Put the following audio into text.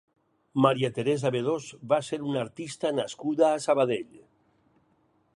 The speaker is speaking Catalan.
Maria Teresa Bedós va ser una artista nascuda a Sabadell.